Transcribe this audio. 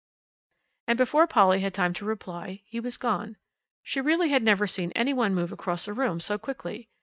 And before Polly had time to reply he was gone. She really had never seen any one move across a room so quickly.